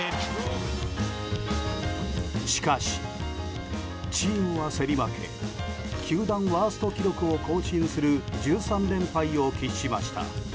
しかし、チームは競り負け球団ワースト記録を更新する１３連敗を喫しました。